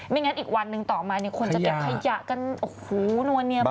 งั้นอีกวันหนึ่งต่อมาเนี่ยคนจะเก็บขยะกันโอ้โหนัวเนียม